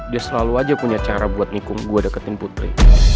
dia selalu aja punya cara buat nikum gue deketin putri